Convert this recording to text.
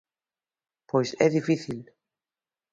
Pois é difícil.